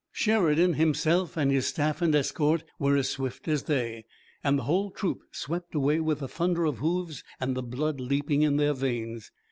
Sheridan himself and his staff and escort were as swift as they, and the whole troop swept away with a thunder of hoofs and the blood leaping in their veins.